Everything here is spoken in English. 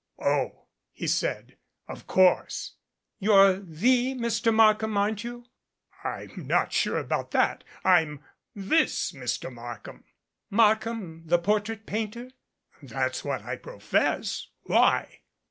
"Oh," he said. "Of course." "You're the Mr. Markham, aren't you?" "I'm not sure about that. I'm this Mr. Markham." "Markham, the portrait painter?" "That's what I profess. Why?"